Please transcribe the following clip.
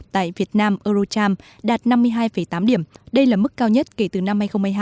tại việt nam eurocharm đạt năm mươi hai tám điểm đây là mức cao nhất kể từ năm hai nghìn hai mươi hai